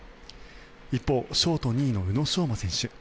一方、ショート２位の宇野昌磨選手